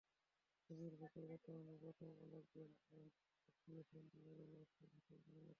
কবির বকুল বর্তমানে প্রথম আলোর ব্র্যান্ড অ্যান্ড অ্যাক্টিভিশন বিভাগের ব্যবস্থাপক হিসেবে কর্মরত।